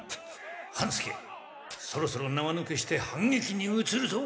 半助そろそろ縄抜けして反撃にうつるぞ。